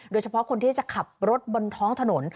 โดยเฉพาะคนที่จะขับรถบนท้องถนน